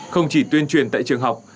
không chỉ tuyên truyền tại trường học